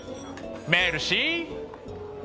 メルシー！